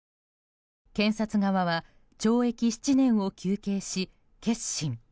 検察側は懲役７年を求刑し結審。